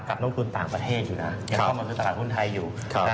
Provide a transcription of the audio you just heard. กับลงทุนต่างประเทศอยู่